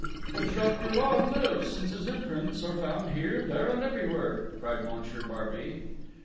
"But Jacques Dollon lives, since his imprints are found here, there and everywhere!..." cried Monsieur Barbey.